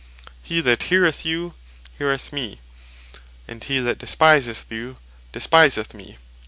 "He that heareth you, heareth mee; and he that despiseth you, despiseth me."